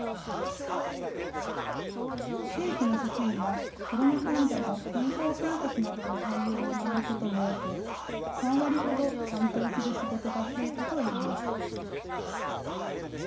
正規の職員がコロナ患者の健康観察などの対応に回ることも多く、３割ほど、担当する仕事が増えたといいます。